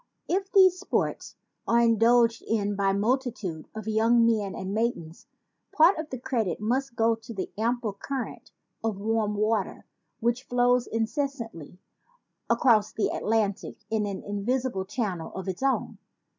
If these sports are indulged in by a multitude of young men and maidens, part of the credit must go to the ample current of warm water which flows incessantly across the Atlantic in an invisible channel of its own.